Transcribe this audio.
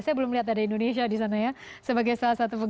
saya belum lihat ada indonesia di sana ya sebagai salah satu perusahaan